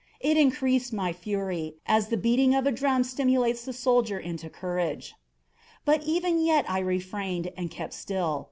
It increased my fury, as the beating of a drum stimulates the soldier into courage. But even yet I refrained and kept still.